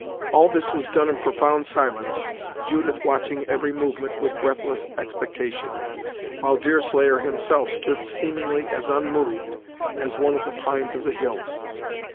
All this was done in profound silence, Judith watching every movement with breathless expectation, while Deerslayer himself stood seemingly as unmoved as one of the pines of the hills.